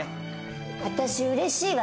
私うれしいわ。